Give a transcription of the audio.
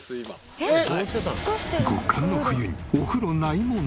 極寒の冬にお風呂ない問題。